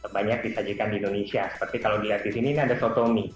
banyak disajikan di indonesia seperti kalau dilihat di sini ini ada soto mie